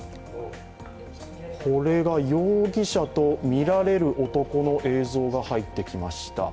これが容疑者とみられる男の映像が入ってきました。